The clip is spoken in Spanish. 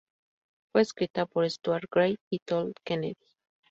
Fue escrita por Stewart Gray y Todd Kennedy.